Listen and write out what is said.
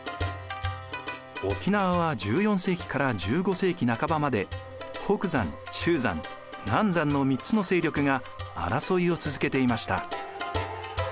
沖縄は１４世紀から１５世紀半ばまで北山中山南山の３つの勢力が争いを続けていました。